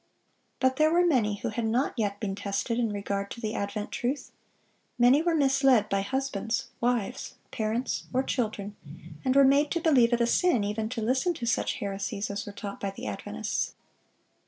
But there were many who had not yet been tested in regard to the advent truth. Many were misled by husbands, wives, parents, or children, and were made to believe it a sin even to listen to such heresies as were taught by the Adventists.